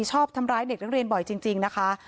ชอบทำร้ายเด็กนักเรียนบ่อยจริงนะคะ